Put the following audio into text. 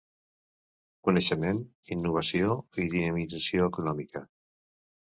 Coneixement, innovació i dinamització econòmica.